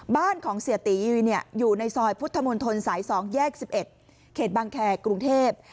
บ้านของเสียตียีอยู่ในซอยพุทธมนตรสาย๒แยก๑๑เขตบางแคร์กรุงเทพ